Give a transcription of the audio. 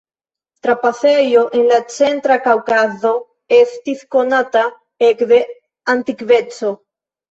Trapasejo en la centra Kaŭkazo estis konata ekde antikveco.